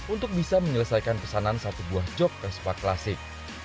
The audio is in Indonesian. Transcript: untuk bisa menyelesaikan pesanan satu buah jog vespa klasik